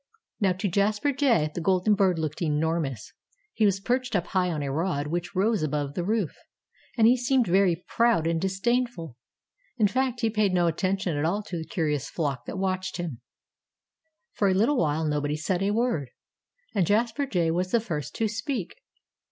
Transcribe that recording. Now, to Jasper Jay the golden bird looked enormous. He was perched high up on a rod which rose above the roof. And he seemed very proud and disdainful. In fact, he paid no attention at all to the curious flock that watched him. For a little while nobody said a word. And Jasper Jay was the first to speak.